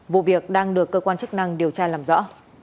vụ việc đang được cơ quan chức năng điều tra làm rõ